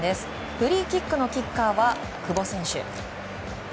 フリーキックのキッカーは久保選手。